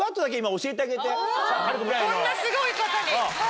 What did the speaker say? こんなすごい方にはい。